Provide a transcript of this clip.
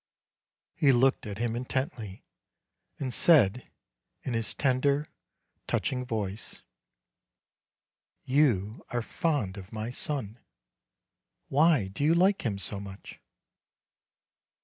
He looked at him intently, and said in his tender, touching voice : "You are fond of my son. Why do you like him so much?"